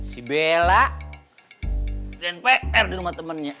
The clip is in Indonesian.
si bella di npr di rumah temennya